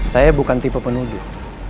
saya bukan tipe penuduh